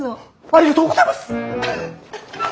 ありがとうございます！